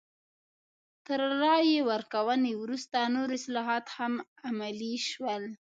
تر رایې ورکونې وروسته نور اصلاحات هم عملي شول.